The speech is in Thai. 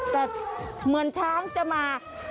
แต่เหมือนช้างจะมา